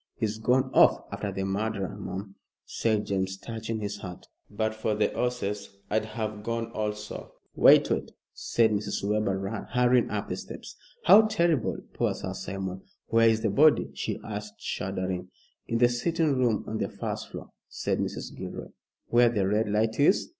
"He's gone off after the murderer, mum," said James, touching his hat; "but for the 'orses I'd have gone also." "Wait wait," said Mrs. Webber, hurrying up the steps. "How terrible poor Sir Simon. Where is the body?" she asked, shuddering. "In the sitting room on the first floor," said Mrs. Gilroy. "Where the red light is?"